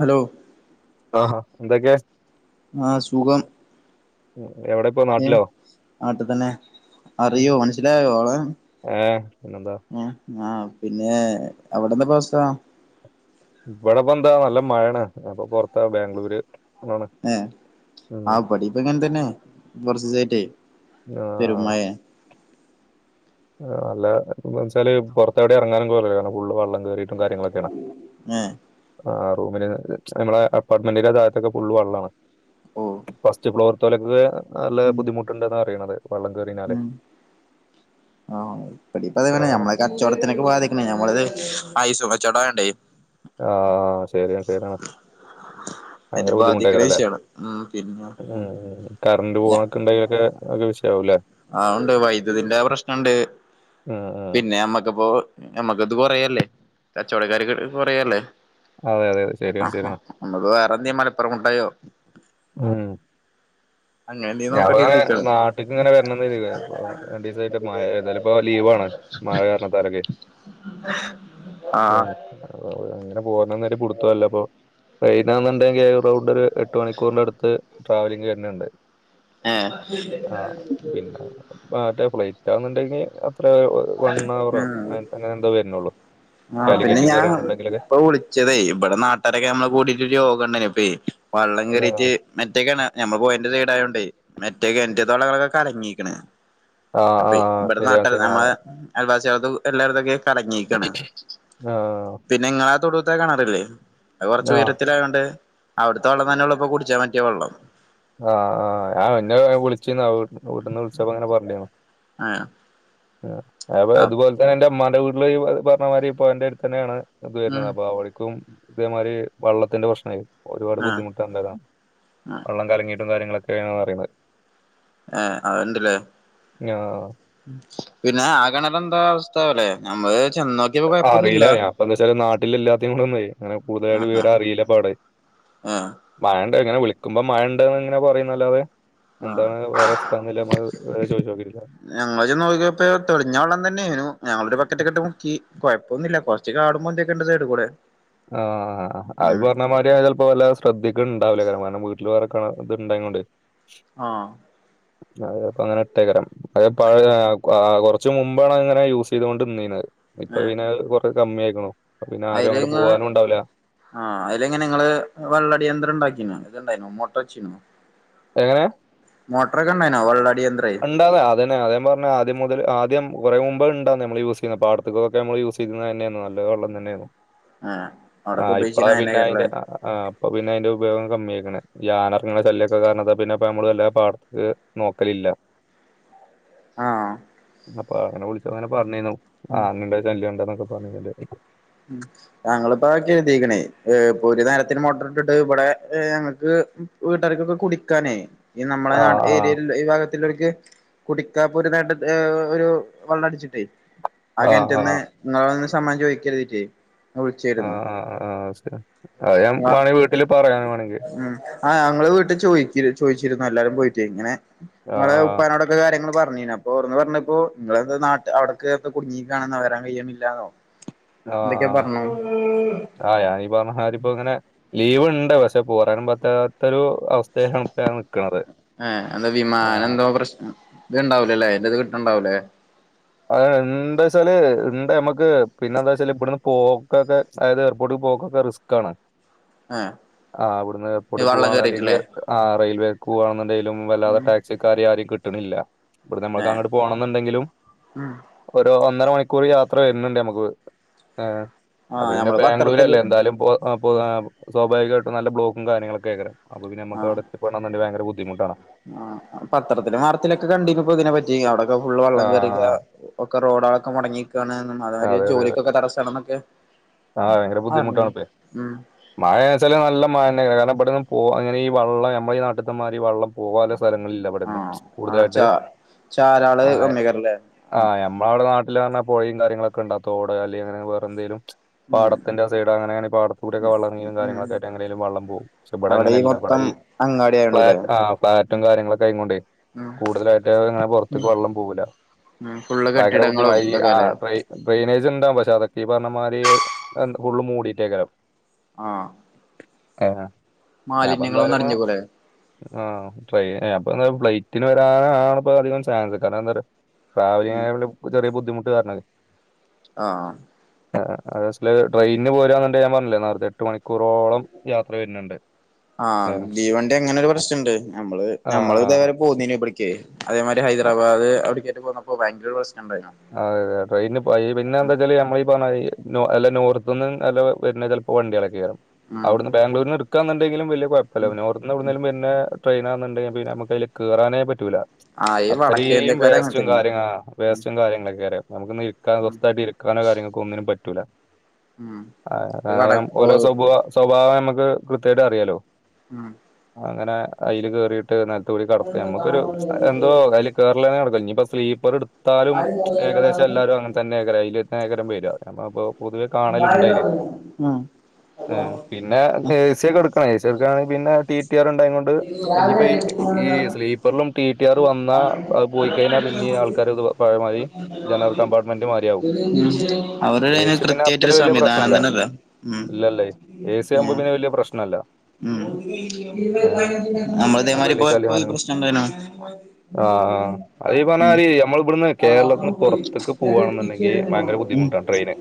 Hello ആഹാ എന്തൊക്കെ ആ സുഖം എവടെപ്പോ നാട്ടിലോ? നാട്ട് തന്നെ അറിയോ മനസ്സിലായോ ആളെ ഏഹ് പിന്നെന്താ ആ ആ പിന്നെ അവടെന്താപ്പ അവസ്ഥ? ഇവടെപ്പെന്ത നല്ല മഴയണ് ഇപ്പൊ പോർത്ത ബാംഗ്ലൂര് ആണ് ഏ ഉം ആ പടിപ്പങ്ങനെ തന്നെ കൊറച്ചിസായിട്ടെ ആ. [unintelligible] അല്ല എന്ന് വെച്ചാല് പുറത്തെവിടെ എറങ്ങാനും കോലല്ല കാരണം ഫുള് വള്ളം കേയറിട്ട്. കാര്യങ്ങളൊക്കെണ ഏ ആ റൂമില് നമ്മളെ അപ്പാർട്ട്മെന്റിന്റെ ഭാഗത്തൊക്കെ ഫുള് വെള്ളാണ് ഓ ഫസ്റ്റ് ഫ്ലോർ തുലക്ക് നല്ല ഉം ബുദ്ധിമുട്ടുണ്ടന്ന് അറിയുണത് വള്ളം കേറിനാലേ ഉം ആ ഇപ്പടിപ്പ നമ്മളക്കേ [unintelligible] പോവാധിക്കണ ഞമ്മള് [unintelligible] ചോടവേണ്ടേ ആഹ് ശരിയാണ് ശരിയാണ് അയിനെ ഭയങ്കര ബാധിക്കണ ബുദ്ധിമുട്ടായികാണുല്ലേ വിഷയാണ് ഉം പിന്നെ ഉം ഉം കറണ്ട് ഞ പോണൊക്കെ ഒക്കെ വിഷയാവൂല്ലേ ആ ഉണ്ട് വൈദ്യുതിന്റെ പ്രശ്നുണ്ട് ഉം ഉം പിന്നെ അമ്മക്കിപ്പോ ഞമ്മക്കിതുകൊറയല്ലേ കച്ചവടക്കാർക്ക് കൊറല്ലേ അതെ അതെ അതെ, ആ ശരിയാണ് ശരിയാണ് നമ്മക്ക് വേറെന്ത് മലപ്പുറം കൂട്ടായോ ഉം എന്തേ നോക്കട്ടെ ഞമ്മക്കങ്ങനെ കരുതിക്കാണ് നാട്ടക്ക് ഇങ്ങനെ വരണ രണ്ടിവസം [unintelligible] ഇപ്പോ ലീവാണ് മഴ കാരണത്താലൊക്കെ ആഹ് അങ്ങനെ പോകനന്നിപോ കുടുത്തല്ല അപ്പൊ [unintelligible] ഒരു എട്ട് മണിക്കൂറിന്റെടുത്ത് ട്രാവലിംഗ് തന്നെയുണ്ട് ഏഹ് ആ പിന്നെ മറ്റേ ഫ്ലൈറ്റ് ആറ്റന്നുണ്ടെങ്കിൽ അത്ര വൺ അവറോ അങ്ങനെ എന്താ വരുന്നുള്ളൂ ആ പിന്നെ കാലിക്കറ്റ് ഞാൻ കയറുകയാണെന്നുണ്ടെങ്കിലൊക്കെ ഇപ്പൊ വിളിച്ചതേ ഇവിടെ നാട്ടുകാരൊക്കെ നമ്മള് കൂടിട്ട് രോഗ ഉണ്ട വള്ളം ആ കേറിട്ട് മറ്റേക്കാണ ഞമ്മൾ പോയന്റെ സയിടായോണ്ടോ മറ്റേക്കെ എറ്റ തോളകളൊക്കെ കലങ്ങിരിക്കണ് ആ അപ്പ ആ, ഇവിടെത്തെ ശരിയാണ് നാട്ട നമ്മള ശരിയാണ് അൽവാസ ചെലത്തുക്കെ കലങ്ങിരിക്കാണ് ആ ആ പിന്നെ നിങ്ങളാ തൊടു ഇപ്പ കാണാറില്ലേ ആ കൊറച്ച് ഉയരത്തിലയോണ്ട് അവിടുത്തെ വെള്ളം തന്നെ ഉള്ളപ്പൊ കുടിച്ചാ പറ്റിയ വെള്ളം ആ ആ വിന്റെ വിളിച്ചിന്ന് വീട്ടിന്ന് വിളിച്ചപ്പ അങ്ങനെ പറഞ്ഞില്ലന്നു ആ അപ്പൊ അതുപോലെ തന്നെ എന്റെ ഉമാന്റെ വീട്ടില് പറഞ്ഞ മാതിരി ഇപ്പൊ എന്റെ അടുത്ത് തന്നെയാണ് അതന്നെ ഉം അപ്പ അവളിക്കും ഇതേമാതിരി വെള്ളത്തിന്റെ പ്രശ്നായി ഒരുപാട് ആഹ് ബുദ്ധിമുട്ട ആഹ് ഉണ്ടതാ തുടങ്ങിട്ടുള്ള കാര്യങ്ങളൊക്കെ [unintelligible] അറിയുന്നത് ഏ അണ്ടല്ലേ ഞാ- പിന്നെ അകണറിലെന്താ അവസ്ഥല്ലേ നമ്മള് ചെന്നോക്കിയപ്പോ കൊഴപ്പൊന്നുല്ല അറിയില്ല അപ്പം എന്താ വെച്ചാല് നാട്ടിൽ എല്ലാത്തിയും [unintelligible] ഒന്ന അങ്ങനെ കൂടുതലായിട്ടും ആഹ് ആഹ് വിവരം അറിയില്ല [unintelligible] ആഹ് മഴണ്ട് എങ്ങനെ വിളിക്കുമ്പോ മഴണ്ടന്ന് ഇങ്ങനെ പറയുന്നല്ലാതെ ആഹ് എന്താണ് വേറെ [unintelligible] നമ്മള് ചോദിച്ചു നോക്കിനില്ല ഞങ്ങള് നോക്കിയപ്പോ തെളിഞ്ഞ വെള്ളം തന്നെയായിനു ഞങ്ങളൊരു ബക്കറ്റ് ഒക്കെട്ട് മുക്കി കുഴപ്പൊന്നുല്ല കുറച്ച് കാടുമ്പോന്തൊ [unintelligible] കൂടെ ആഹ് അത് ഉം പറഞ്ഞ മാതിരി ചപ്പോ വല്ല ശ്രദ്ധിക്കണ്ടാവില്ലേ കാരണം വീട്ടില്ല് വേറെ കേണർ ഇത്ണ്ടായങ്ങോണ്ട് ആ അതെ അപ്പം അങ്ങനെ ഇട്ടേകരം അതെ [unintelligible] കുറച്ച് മുമ്പാണ് അങ്ങനെ യൂസ് ചെയ്തുകൊണ്ട് [unintelligible] ഇപ്പൊ ഏഹ് പിന്നെ കൊറ കമ്മി ആയിക്കണോ പിന്നെ ആരും അങ്ങോട് ആ അലങ്ങനെ നിങ്ങള് വെള്ളടിയന്ത്രം ഉണ്ടാക്കിന്നാ ഇതിണ്ടായിന്നു മോട്ടവാച്ചീനോ എങ്ങനാ മോട്ടർ കനെനോ വള്ള ഉണ്ടാതെ അതന്നെ അതേ പറഞ്ഞ ആദ്യം മുതൽ ആദ്യം കുറെ മുമ്പ് ഉണ്ടോന്ന് നമ്മള് യൂസ് ചെയ്യുന്ന [unintelligible] നമ്മള് യൂസ് ചെയ്യുന്നത് തന്നെയാണ് നല്ലത് വള്ളം തന്നെയാണ് ഏഹ് ആ അവിടൊക്കെ ഇപ്പളാ ഉപയോഗിച്ചിനെ പിന്നെ അയന്നേക്കാരല്ലേ അയിന്റെ ആ അപ്പൊ പിന്നെ അതിന്റെ ഉപയോഗം കമ്മിയാ [unintelligible] [unintelligible] ഇറങ്ങ ശല്യൊക്കെ കാരണം പിന്നെപ്പ നമ്മള് നല്ല പാടത്തക്ക് നോക്കലില്ല ആഹ് അപ്പൊ അങ്ങനെ വിളിച്ചു അങ്ങനെ പറഞ്ഞെന്ന് ആ അങ്ങിണ്ട് ശല്യം ഉണ്ട് ക്കെ പറഞ്ഞേണ്ട് ഉം ഞങ്ങിപ്പോ എഴുതിക്കണേ ഇപ്പൊ ഒരു നേരത്തിന് മോട്ടർ ഇട്ടിട്ട് ഇവിടെ ഞങ്ങക്ക് വീട്ടാർക്കൊക്കെ കുടിക്കാനേ ഈ നമ്മളെ ആ ഏരിയ ഈ ഭാഗത്തിക്ക് കു നേട്ട ഒരു വെള്ളം അടിച്ചിട്ടേ ആ കിണറ്റന്ന് ഇന്നാലൊന്നു സമമാം ചോദിക്കരുതിട്ടേ ആഹ ആ് ശരി അ ഞാൻ ആ വേണെങ്ക വീട്ടില് പറയാൻ വേണെങ്കിൽ ഞങ്ങള്ൾ വീട്ടിൽ ചോ ചോദിച്ചിരുന്നു എല്ലാരും പോയിട്ട് ഇങ്ങനെ ആ നിെ ഉപ്പാനോടൊക്കെ കാര്യങ്ങ പറഞ്ഞു പറ അപ്പ ഓറന്ന് പറഞ്ഞപ്പോ നിങ്ങെന്താ നാട്ട് അവിടെ കേത്ത കുടുങ്ങി കാണ വരാൻ കഴിയില്ലാന്നോ ആഹ ആഹ ആ ഞ ഈ പറഞ്ഞരിപ്പോൊ ഇങ്ങനെ ലീവ് ഉണ്ട് പക്ഷെ പോറാനൻ പറ്റാത്തൊരു അവസ്ഥയാണ് ഇ ആഏ എന്താ വിമാനം എന്തോ പ്രശ്നം ഇത്ണ്ടാവലല്ലേ അതിറെ ഇത് കിട്ടണ്ടാവലേ അത എന്താ വെച്ചാല് എന്താ നമ്മക്ക് പിന്നെ എന്താ വച്ചാല് ഇവിടന്ന് പോക്കൊക്കെ അതായത് എയർപോർട്ട് പോക്കൊക്കെ റിസ്ക് ആണ് ഏഹ് ആ അവിടുന്ന് ഈ എപ്പോടെ വള്ളം പോവാണ കേറിയിട്ടില്ലേ അല്ലെങ്കിൽ ആ റെയിൽവേ പോവാണു എന്തും വല്ലാതെ ഉം ടാക്സിക്കാര് ആും കിട്ടണില്ല ഇ നമ്മക്ക് ഏഹ് അങ്ങോട്ട് പോണം എന്നുണ്ടെങ്കിലും ഉം ഒരു ഒന്നര മണിക്കൂർ യാത്ര വരുന്നുണ്ട് നമുക്ക് ് ആഹ് പിന്നെ ഞമ്മള് പത്രത്തില് ബാംഗ്ലൂര്ലല്ലേ എന്താലും സ്വാഭാവികമായിട്ടും നല്ല ബ്ലോക്കും കാര്യങ്ങളൊക്കെ ആഗം അപ്പ പിന്ന നമു അവിടു എണന്ന ഭയങ്ക ബുധിമുട്ടാണ് ആ പത്രത്തില മാർത്തിലൊക്കെ കണ്ടപ്പോൊ ഇതിനെ പറ്റി അവിടൊക്കെ ഫുള് ആ വെള്ളം കറ ഒക്കെ റോഡുകളൊക്കെ മുടങ്ങിിക്കയ അതതിരി ജോലിക്കൊക്കെ തടസ്സണ എന്നൊക്കെ ആഹ ഭയങ്കര ബുദ്ധിമുട്ടാണ് ഇപ്പെ മഴ വെച്ചാല് നല്ല മഴന്ന കാരണം ഇവിടെന്ന് പോ അങ്ങനെ ഈ വെം നമ്മള ഈ നാട്ടത്തന്മാർഈ വെള്ളം പോകല്ലോ സ്ഥലങ്ങളില്ല അവിടെുന്നു ആഹ് ആഹ് കൂടുതലായിട്ട് ചാ ചാലാള് ആ കമ്മിയേക്കാരല്ലേ ആ് ആഹ് നഞമ്മളടെ നാട്ടിൽ പറഞ്ഞാ പോയി കാര്യങ്ങളൊക്കെ ഉണ്ടോ അല്ലെ അങ്ങനെ വേറെ എന്തേലും ഉം പാത്തിന്റെ സൈഡ അങ്ങനെങ്ക പാടത്തൂൊക്കെ ഉം ഉം വള്ളങ്ങിയും ഉം കാര്യങ്ങളൊക്ക ആട്ട് എങ്ങനെങ്കും വള്ളംവുംും പെട അവിടെ ഈ അങ്ങനെയല്ലട മൊത്തം അങ്ങാടി ഫ്ാ ആയോണ്ട്ല്ലേ ആ ഫ്ളാറ്റും കാര്യങ്ങളൊക്കെ ആയ കൊണ്ടേ ഉം കൂടുതലായിട്ട് ഇങ്ങനെ പുൊറത്തേക്ക് വെള്ളം പോവല ഉം ഫുള്ള് ഭയങ്കര കെട്ടിടങ്ങളും ബുദ്ധിമായി ആ ഇതൊക്കെല്ലേ ഡട്രെയിനേജ് ഉണ്ടാവ പക്ഷേ അതൊക്കെ ഈ പറഞ്ഞ മാതി എ ഉള്ള് മൂടിീട്ടേക്കലം ആഹ ആപ്പ എന്താല അറിഞ്ഞുകൂടെ ആട ഇപ്പ എ ഫ്ലൈറ്റിന് വരാന ആ ഇ അധികം ചാൻസ് കാരണം എന്താ പറയാ ട്രാവലി ആ ഉം ചെറിയ ബുധിമുട്ട് പറഞ്ഞത് ആഹ അതല് ട്രെയിനിന് പോരാന്നണ്ട ഞാൻ പറഞ്ഞില്ലേ നേത്തെ എട്ട് മണിക്കൂറോളം യാത്ര വരുന്നുണ്ട് ആഹ് ദീവണ്ടി അങ്ങനെൊ ഒരു പ്രശ്നംുണ്ട് നമ്മള് ആ നമ്മള് ഇതേവരെ ആ പോന്നീ ഇവിടക്ക്േ അതേമാതിരി ഹൈദരാബാദ് അവിട കേട്ട് പോന്നപ്പോ ബാംഗ്ലൂ അതെ അതെ ട്രെയിന്ന്നെന്താ വച്ചാല് നമ്മളീഈ പറഞ്ഞ അല്ല നോർത്ത് നിന്നന്ന് നല്ല വരുന്ന ചിലപ്പോ വണ്ടികളക്കെ കയറ ഉം അവിടുന്ന് ബാംഗ്ലൂരിൽ നിക്കുക എന്നുണ്ടെങ്കിലും വ ഉം കുഴപ്പോന്ന്ും ഉം പിന്നെടെയിനാണണ്ടെങ്ക നമു കയറേ പറ്റ ആഹ് ഈ അത്രയും വടക്കേന്ത്യക്കാര് അങ്ങനെ വേസ്റ്റും തന്നെയാ കാര്യ ഉം വസ് കാര്യങ്ങളൊക്കെ നു ഉം ഇസ്ഥായിട്ട് ഇരിക്കാനോാര്യൊക്ക ഒന്നിനും പറ്റൂില്ല ഉം ഈ വട അണം ഓ ഓരോ സ്വഭ സ്വഭാവം നമക്ക് കൃത്യമായിട്ട് അറിയാലോ ഉം അങ്ങനെ അതിൽ കേറിട്ട് ന കൂടി കടക്ക ഉം നമുക്കൊരു എന്തോ അതില് കേരളേ നടക്ക ഇനിയിപ്പ സ്ലീപ്പർ എാലും ഏകദേശം എല്ലാവും അങ്ങന തന്നെ ഏക്ക അതിൽ ഏര വര നമ്മപ്പോ പൊതുവെ കാണലുണ്ടല്ലേ ആ അപ്പൊ പിന്നെ ഏസിയൊക്കെ എടുക്കണയ് ഏസി എടുകാണെ പിന്നെ ട്ടി ട്ടി ആർ ഉണ്ടായിംകൊണ്ട് ഇനിപ്പോ ഈ ഈ രാവിലെ സ്ലീപ്പറിലും ടി ടി ആർ വന്നാ അത് പോയി കഴിഞ്ഞാ പിന്നേം ആൾക്കാരത് [unintelligible] ജനറൽ കമ്പാർട്ട്മെൻ്റ് മാരിയാവും അവരുടെ അതിന് ഏസി പിന്നെ അത്ര കൃത്യായിട്ടൊരു വലിയ സംവിധാനം പ്രശ്നല്ല. തന്നെല്ല ഉം ഇല്ലല്ലേ ഏസി ഏ ആവുമ്പോ പിന്നെ വലിയ പ്രശ്നല്ല. ഉം ആഹ് നമുക്ക് വലിയ ശല്യം നമ്മള്തേമാരിപ്പോയാപ്പോ ഈ അങ്ങനെ പ്രശ്നം ഉണ്ടായ്ന്നു ഞമ്മള് ഇവിടുന്ന് കേരളത്തിന്ന് പുറത്ത്ക്ക് പോവാണ്ന്ന്ണ്ടെങ്കി ഭയങ്കര ബുദ്ധിമുട്ടാ ട്രെയിന്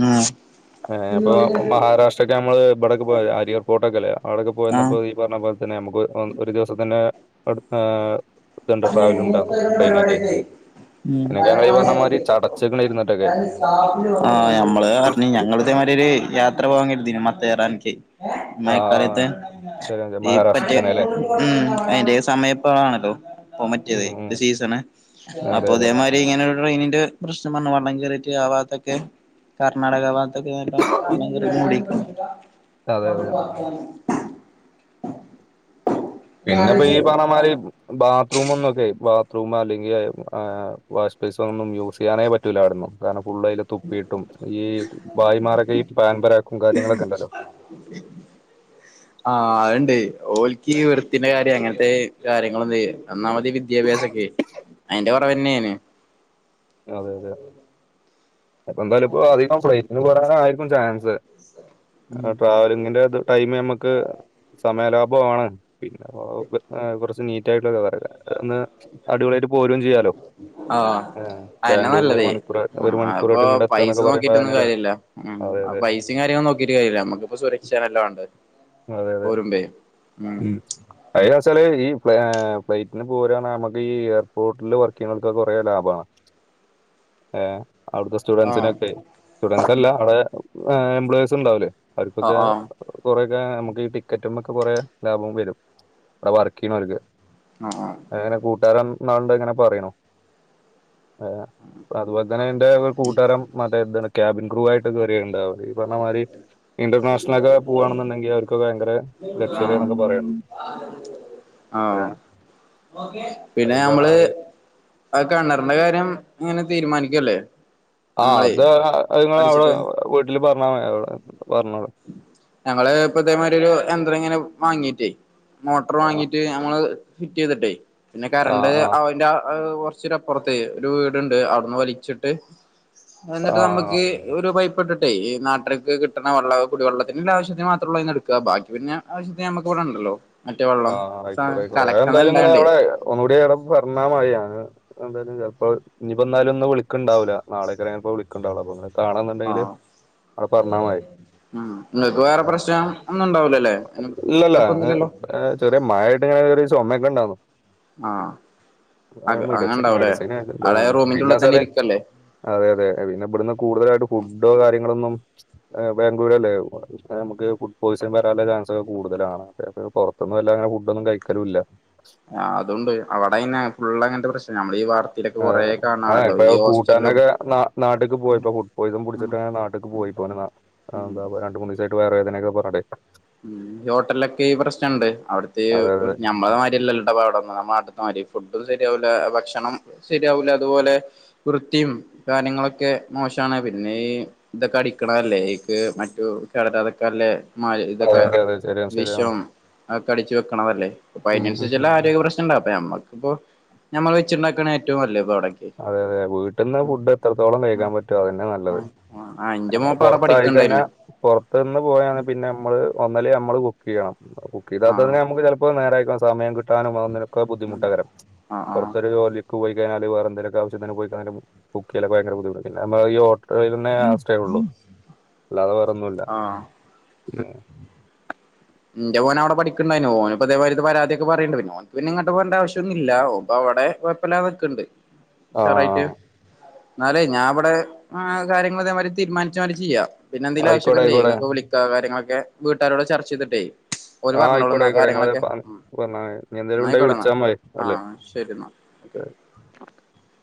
ഉം ഏഹ് ഇപ്പൊ മഹാരാഷ്ട്ര ഒക്കെ മ്മള് ഇവടക്കപോ ഹരിയർപോട്ടൊ ക്കെലേ അവിടൊക്കെ ആഹ് പോയ്ന്നപ്പോ ആഹ് ഈ പറഞ്ഞ പോലെ തന്നെ നമുക്ക് ഓ ഒരു ദിവസതിന് അടു ഏഹ് ഇത്ണ്ടോ ട്രാവൽണ്ടാവും മൂപ്പരുടെ ട്രെയിനൊക്കെ പരിപാടിയൊക്കെ എനക്ക് അ ഈ പറഞ്ഞമാരി ഉം ചടച്ച്ക്ക്ണ് ഇരുന്നിട്ടൊക്കെ. ആ ഞമ്മള് പറഞ് ഞങ്ങളിതെ മാതിരി ഒരു യാത്ര. പോവാൻ കെര്തീന്ന് മാത്തെറാൻക്ക് ആഹ്. മയക്കാലത്ത് ശരി അതെ ഈ മഹാരാഷ്ട്രയിൽ പറ്റേ തന്നെല്ലേ? ഉം അയ്ന്റെ സമയം പ്പൊ ആണല്ലോ. മറ്റേത് ഉം, ഉം. ത് സീസണ് അതെ, അതെ. അപ്പൊതേമാരി ഇങ്ങനെ ട്രെയിനിന്റെ പ്രശ്നം വന്നു വള്ളം കയറിട്ട് ആവാത്തൊക്കെ കർണാടക ഭാ തൊക്കെ കാരണം അതെ, അതെ. [unintelligible] പിന്നെപ്പ ഈ പറണമാരി ആലോചിച്ചോക്ക് ബാ ത്റൂമ്ന്നുക്കെ ബാത്റൂം അല്ലെങ്കി ഏഹ് വാഷ്ബേസൊന്നും യൂസ്യ്യാനേ പറ്റുല്ലാ അവിടൊന്നും കാരണം ഫുള്ളയില് തുപ്പിയിട്ടും ഈ ഭായിമാരൊക്കെ ഇ പാൻപരാക്കും കാര്യങ്ങളൊക്കെ ഉണ്ടല്ലോ ആഹ് അത്ണ്ടെയ് ഓൽകീ വൃത്തിന്റെ കാര്യം അങ്ങനത്തെ കാര്യങ്ങളൊന്നുയ് ഒന്നാമത് വിദ്യാഭ്യാസൊക്കെ. അതിന്റെ [unintelligible] നേണ് അതെ അതെ അപ്പ എന്തായാലും ഇപ്പൊ അധികം ഫ്ലൈറ്റിന് പോരാനായിരിക്കും ചാൻസ് ആ ട്രാവലിങ്ങിന്റെ ടൈമ് നമ്മക്ക് സമയ ലാഭാണ് പിന്നെപ്പൊ പിന്നെ കുറച്ച് നീറ്റ് ആയിട്ടുള്ള അന്ന് അടിപൊളിയായിട്ട് പോരും ചെയ്യാലോ ആഹ് അയന്നെ നല്ലതയ് ഉം അപ്പൊ പൈസ എത്താന്നൊക്കെ പറയുമ്പോ നോക്കിട്ടൊന്നും അതിനല്ലോ കാര്യല്ല ഉം അതെ അതെ പൈസയും കാര്യൊവും നോ കീട്ട് കയ്യുല്ല നമുക്കിപ്പൊ സുരക്ഷേണാലോ വാണ്ടേ അതെ അതെ ഉം അയാച്ചാല് ഈ ഏഹ് ഫ്ലൈറ്റിന് പോരുവാ നമുക്ക് ഈ എയർപോർട്ടില് വർകീയ്ണോല്ക് കുറേ ലാഭാണ് ഏ അവിടുത്തെ ആഹ് സ്റ്റുഡൻസിനൊക്കെ ഉം സ്റ്റുഡൻസല്ല അവിടെ ഏഹ് എംപ്ലോയീസ് ഉണ്ടാവൂല്ലേ ആഹ് അവർക്കൊക്കെ ആഹ് കുറെ ഏഹ് നമുക്ക് ഈ ടിക്കറ്റ്മ്മക്കെ കൊറെ ലാഭം വരും അവിടെ വർക്ക്യ്യ്ണോല്ക്. ആഹ് ആഹ് തരം ന്നാള്ണ്ട് ങ്ങനെ പറീണു. ആ അതുപോലെ തന്നെ ന്റെ ഒരു കൂട്ടാരം മറ്റേ തണ് ക്യാബിൻ ക്രൂ ആയിട്ട് കേറീ ഈ പറഞ്ഞ മാരി ഇന്റർനാഷണൽ ഒക്കെ പോവാണ്ന്നുണ്ടെങ്കിൽ അവർക്കൊക്കെ ഭയങ്കര ആഹ് ലക്ഷറി ആഹ് ആണ്ന്ന് പറീണ്ട്. ആഹ് പിന്നെ അവര് ഈ പറഞ്ഞ നമ്മള് മാതിരി ആ കെണർന്റെ കാര്യം ങ്ങനെ തീരുമാനിക്കല്ലേ ആ നമ്മളെ അത് ങ്ങൾ അവിടെ അടിച്ചിട്ട് വീട്ടില് പ ഞങ്ങള് ഇപ്പൊ ഇതേമാരിരു എന്താ ങ്ങനെ വാങ്ങീട്ടേ മോട്ടർ ആ വാങ്ങീട്ട് നമ്മള് ഫിറ്റീത്ട്ടേ പിന്നെ ആ കരണ്ട് ആ അവന്റെ ആഹ് കുറച്ചൊരു അപ്പുറത്തെയ് ഒരു വീടുണ്ട് അവിടുന്ന് വലിച്ചിട്ട്. ആ എന്നിട്ട് നമ്മുക്ക് ഈ ഒരു പൈപിട്ടിട്ടെ നാട്ടര്ക്ക് കിട്ടണ വെള്ള കുടിവെള്ളത്തിന്ള്ള ആവശ്യത്തിന് മാത്രള്ളു അയ്ന്ന് എടുക്ക ബാക്കി പിന്നെ ആവശ്യത്തിന് നമുക്ക് ഇവിടെ ഉണ്ടല്ലോ. മറ്റേ വെള്ളം ആഹ് അയിക്കോട്ടെ അയിക്കോട്ടെ അ കലക്ടർ എന്തായാലും ങ്ങൾ ഇണ്ടായോണ്ടേ അവിടെ ഒന്നുകൂടി പറഞ്ഞാൽ മതി എന്താലും ചിലപ്പോ ഇനിപ്പോ എന്നാലുംന്നും ഇനി വിളിക്കണ്ടാവില്ല നളേക്കറങ്ങ വിളിക്കണ്ടാവുള്ളു [inaudible] കാണന്നുണ്ടെങ്കില് ആഹ് അത് പറഞ്ഞാമതി. ഉം നിങ്ങക്ക് വേറെ പ്രശ്നം ഒന്നും ഉണ്ടാവില്ലല്ലേ, ഇല്ലല്ല. കൊഴപ്പൊന്നുവില്ലല്ലോ? ഏഹ് ചെറിയ [unintelligible] ആ അത് അങ്ങനെ മെഡിസിൻ ഉണ്ടാവല്ലേ മെഡിസിൻ അടെ എന്താണ് റൂമിന്റെ ഉള്ളിൽ തന്നെ പിന്നെച്ചാല് ഇരിക്കല്ലേ? അതെ അതെ പിന്നെ ഇവിടുന്ന് കൂടുതലായിട്ട് ഫുഡോ കാര്യങ്ങളൊന്നും ബാംഗ്ലൂരല്ലേ നമുക്ക് ഫുഡ് പോയിസൻ വരാനുള്ള ചാൻസൊക്കെ കൂടുതലാണ് അത് പൊ റത്തുന്നെല്ലാ അങ്ങനെ ഫുഡ്‌ ഒന്നും കഴിക്കലില്ല. ആ അതൊണ്ട്, അവിടിങ്ങനെയ ഫുള്ളങ്ങനത്തെ പ്രശ്ന നമ്മളീ വാർ ആ ആ ഇപ്പൊ കൂട്ടാരനൊക്കെ ന നാട്ടേക്ക് പോയി ഇപ്പൊ ഫുഡ് പോയിസൺ ഉം പിടിച്ചിട്ട് നാട്ടേക്ക് പോയി. ഇപ്പോവനിതാ ഉം എന്താ രണ്ടു മൂന്ന് ദിവസ ആയിട്ട് വയറു വേദനൊക്കെ പറേനൊണ്ടെ. ഉം ഹോട്ടലിലൊക്കെ ഈ പ്രശ്നംണ്ട് അവിടുത്തെ, അതെ നമ്മട്ത് മാതിരില്ലല്ലോ ഇടപാടൊന്നും, നമ്മടാട്ടത്തെ മാതിരി ഫുഡും ശരിയാവില്ല ഭക്ഷണം ശരിയാവൂല അതുപോലെ വൃത്തിയും കാര്യങ്ങളൊക്കെ മോശ ക്കാണ്, പിന്നെ ഈ ഇതൊക്കെ അടിക്കണതല്ലേ, മറ്റു കടതൊക്കെല്ലേ മായ അതെ അതെ അതെ ശരിയാണ് ശരിയാണ്. വിഷം അതൊക്കെ അടിച്ചു വെക്കണതല്ലേ, അപ്പ ഉം ഉം. അതിനനുസരിചൊള്ള ആരോഗ്യപ്രശ്നം. ഉണ്ട്ഞമ്മക്കിപ്പോഞമ്മ വെച്ചിണ്ടാക്കാണ് ഏറ്റവുംനല്ലത്. അതെതെ വീട്ടിൽന്ന് ഫുഡ് എത്രത്തോളം ആ കഴിക്കാൻ പറ്റ്വോ അതന്നെ നല്ലത്. ആഹ് ആഹ് ആഹ് ഇന്റെ മോൻപ്പ അവിടെ പൊറത്തായിക്കഴിഞ്ഞാ പഠിക്ക്ണ്ടായിനു പൊറത്ത നിന്ന് പോയാണ് പിന്നെ നമ്മള് ഒന്നല്ലേ നമ്മള് കുക്ക് ചെയ്യണം കുക്ക് ആഹ് ചെയ്താത്തന്നെ നമുക്ക് ചെലപ്പോ നേരെ കഴിക്കാൻ സമയം കിട്ടും. ട്ടാനുവതിനൊക്കെ ബുദ്ധിമുട്ടാകരം ആഹ് ആഹ് പുറത്തൊരു ജോലിക്ക് പോയി കഴിഞ്ഞാല് വേറെ എന്തെലൊക്കെ ആവശ്യത്തിന് പോയിക്കഴിഞ്ഞ ബുക്ക്‌ ചെയ്യല് ഭയങ്കര ബുദ്ധിമുട്ടാ പിന്നെ മ്മ ഈ ഹോട്ടൽ തന്നെ ആശ്രയം അത്രേള്ളൂ അല്ലാതെ വേറൊന്നുമില്ല. ആഹ് എന്റെ മോൻ അവിടെ പഠിക്കണ്ടായിനു ഓൻ ഇപ്പതേമാരിത്തെ പരാതി ഒക്കെ പറയണ്ട് പിന്നെ ഓനു പിന്നിങ്ങട്ട് പോകണ്ട ആവശ്യം ഒന്നില്ലേറെ ഓന്ക്കവിടെ എ വെപ്പലാതൊക്കെ ഉണ്ട്. ആ എന്നാലേ ഞാൻ ഇവിടെ ആ കാര്യങ്ങൾ അതേമാതിരി തീരുമാനിച്ച പിന്നെന്തേലും ആയിക്കോട്ടെ ആശ്യക്കണ്ടേ ആയിക്കോട്ടെ നിങ്ങക്ക് വിളിക്കുക കാര്യങ്ങളൊക്കെ വീട്ടുകാരോട് ചർച്ച ചെയ്തിട്ടേ ഓരു ആ ആയിക്കോട്ടെ പറഞ്ഞോളൂന്നാ ആയിക്കോട്ടെ നിങ്ങള് കാര്യങ്ങളൊക്കെ. പറഞ്ഞ ഇനി എന്തേലും ഉണ്ടെങ്കിൽ എന്നായിക്കോട്ടന്ന വിളിച്ചാൽ മതി ആ അല്ലേ ശരിന്നാ. [unintelligible]